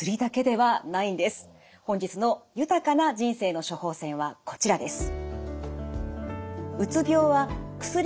本日の「豊かな人生の処方せん」はこちらです。